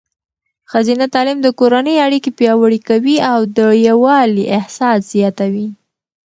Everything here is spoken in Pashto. ښځینه تعلیم د کورنۍ اړیکې پیاوړې کوي او د یووالي احساس زیاتوي.